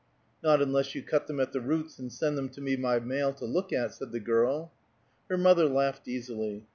"Not unless you cut them at the roots and send them to me by mail to look at," said the girl. Her mother laughed easily.